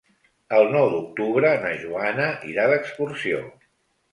El nou d'octubre na Joana irà d'excursió.